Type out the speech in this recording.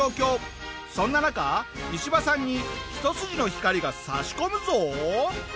そんな中イチバさんに一筋の光が差し込むぞ！